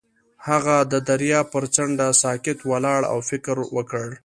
هغه د دریاب پر څنډه ساکت ولاړ او فکر وکړ.